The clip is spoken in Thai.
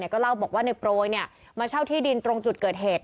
ก็เล่าบอกว่าในโปรยมาเช่าที่ดินตรงจุดเกิดเหตุ